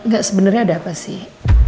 gak sebenarnya ada apa sih